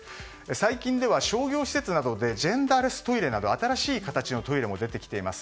最近では商業施設などでジェンダーレストイレなど新しい形のトイレなど出てきています。